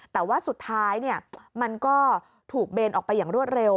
แต่ว่าสุดท้ายมันก็ถูกเบนออกไปอย่างรวดเร็ว